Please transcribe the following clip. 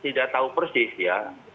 tidak tahu persis ya